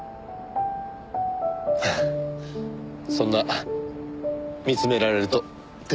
そんな見つめられると照れますよ。